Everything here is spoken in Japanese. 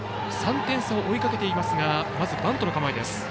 ３点差を追いかけていますがまずバントの構えです。